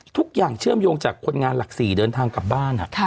ทุกอย่างเชื่อมโยงจากคนงานหลักศรีเดินทางกลับบ้านครับ